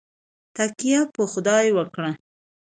تککیه په خدای وکړئ